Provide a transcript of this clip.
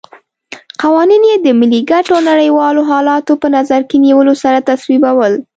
قوانین یې د ملي ګټو او نړیوالو حالاتو په نظر کې نیولو سره تصویبول.